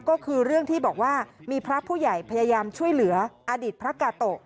ก็คือเรื่องที่บอกว่ามีพระผู้ใหญ่พยายามช่วยเหลืออดีตพระกาโตะ